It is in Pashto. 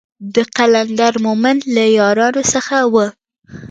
د قلندر مومند له يارانو څخه و.